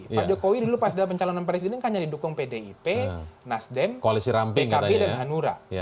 pak jokowi dulu pasca pencalonan presiden kan jadi dukung pdip nasdem pkp dan hanura